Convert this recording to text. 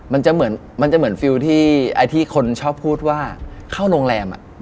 มันจะเหมือนที่คนชอบพูดว่าเข้าโรงแรม